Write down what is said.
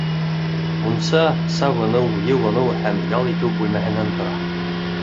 Мунса сабыныу, йыуыныу һәм ял итеү бүлмәһенән тора